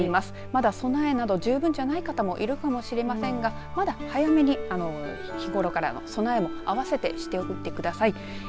まだ備えなど十分じゃない方もいるかもしれませんがまだ早めに日頃からの備えも合わせもしておいてください。